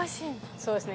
そうですね。